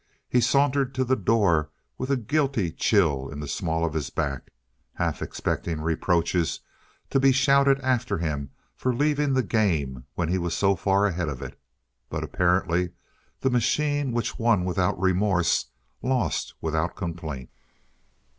He sauntered to the door with a guilty chill in the small of his back, half expecting reproaches to be shouted after him for leaving the game when he was so far ahead of it. But apparently the machine which won without remorse lost without complaint.